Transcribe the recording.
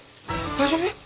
大丈夫？